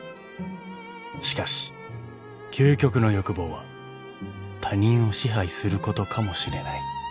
［しかし究極の欲望は他人を支配することかもしれない］